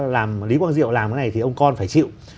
làm lý quang diệu làm cái này thì ông con phải chịu